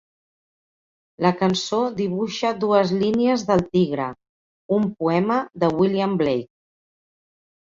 La cançó dibuixa dues línies d'El Tigre, un poema de William Blake.